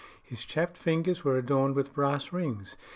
His chapped fingers were adorned with brass rings.